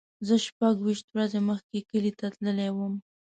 زه شپږ ویشت ورځې مخکې کلی ته تللی وم.